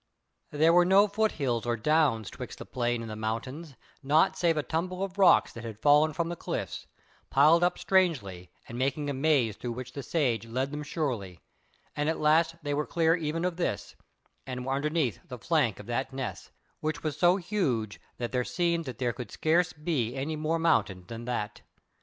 There were no foothills or downs betwixt the plain and the mountains, naught save a tumble of rocks that had fallen from the cliffs, piled up strangely, and making a maze through which the Sage led them surely; and at last they were clear even of this, and were underneath the flank of that ness, which was so huge that there seemed that there could scarce be any more mountain than that.